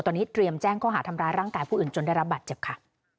ตอนนี้เตรียมแจ้งข้อหาทำร้ายร่างกายผู้อื่นจนได้รับบาดเจ็บค่ะ